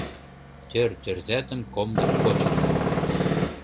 Тӧр тӧрзатым комдык почын